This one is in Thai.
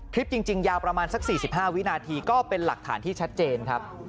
คลิปจริงยาวประมาณสัก๔๕วินาทีก็เป็นหลักฐานที่ชัดเจนครับ